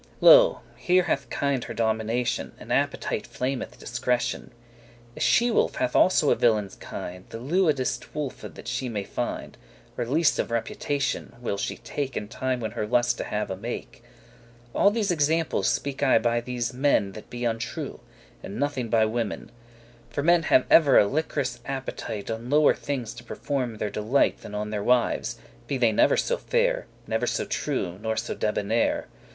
Lo, here hath kind* her domination, *nature And appetite flemeth* discretion. *drives out A she wolf hath also a villain's kind The lewedeste wolf that she may find, Or least of reputation, will she take In time when *her lust* to have a make.* *she desires *mate All these examples speak I by* these men *with reference to That be untrue, and nothing by women. For men have ever a lik'rous appetite On lower things to perform their delight Than on their wives, be they never so fair, Never so true, nor so debonair.